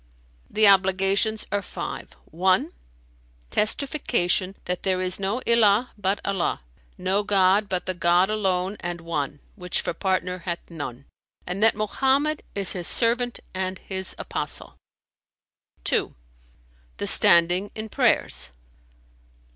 "The obligations are five. (1) Testification that there is no ilαh[FN#298] but Allah, no god but the God alone and One, which for partner hath none, and that Mohammed is His servant and His apostle. (2) The standing in prayers.